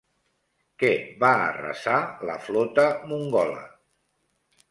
Què va arrasar la flota mongola?